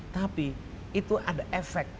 tapi itu ada efek